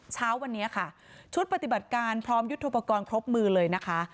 เช้าวันนี้ค่ะชุดปฏิบัติการพร้อมยุทธโปรกรณ์ครบมือเลยนะคะ